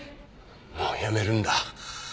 もうやめるんだ。